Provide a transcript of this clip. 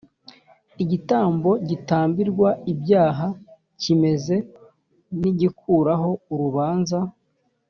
igitambo gitambirwa ibyaha kimeze n’igikuraho urubanza